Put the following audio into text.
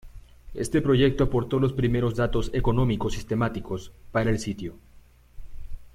Este proyecto aportó los primeros datos económicos sistemáticos para el sitio.